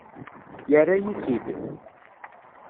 Yerra-yi-tt-id.